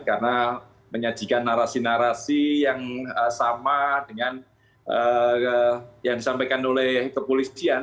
karena menyajikan narasi narasi yang sama dengan yang disampaikan oleh kepolisian